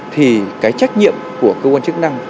thì cái trách nhiệm của cơ quan chức năng